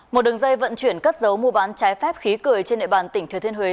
một đường dây vận chuyển cất dấu mua bán trái phép khí cười trên nệ bàn tỉnh thừa thiên huế